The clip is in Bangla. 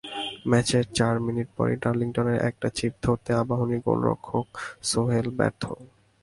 ম্যাচের চার মিনিট পরই ডার্লিংটনের একটা চিপ ধরতে আবাহনী গোলরক্ষক সোহেল ব্যর্থ।